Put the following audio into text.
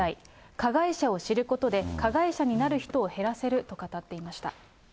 加害者を知ることで、加害者になる人を減らせると語っていました。